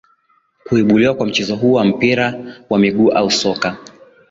Kuibuliwa kwa mchezo huu wa mpira wa miguu au Soka